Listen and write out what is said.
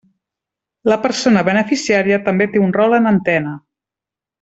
La persona beneficiària també té un rol en antena.